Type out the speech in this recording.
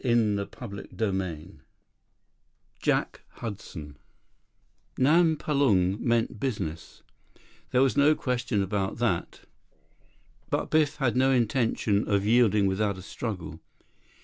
31 CHAPTER V Jack Hudson Nam Palung meant business. There was no question about that. But Biff had no intention of yielding without a struggle.